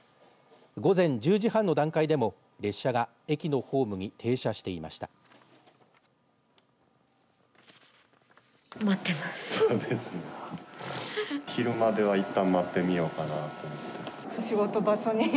午前１０時半の段階でも電車が駅のホームに停車していました。